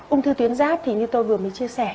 ung thư tuyến giáp thì như tôi vừa mới chia sẻ